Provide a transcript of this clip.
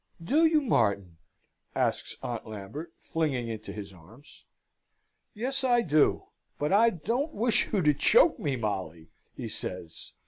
"Do you, Martin?" says Aunt Lambert, flinging into his arms. "Yes, I do; but I don't wish you to choke me, Molly," he says.